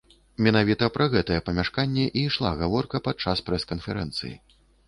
Менавіта пра гэтае памяшканне і ішла гаворка падчас прэс-канферэнцыі.